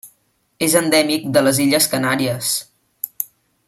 És endèmic de les illes Canàries.